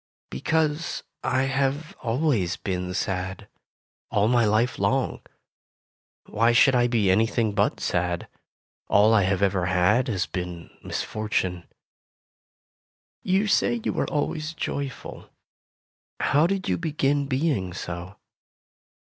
"Because I have always been sad, all my life long. Why should I be anything but sad ? All I have ever had has been mis fortune. You say you are always joyful ? How did you begin being so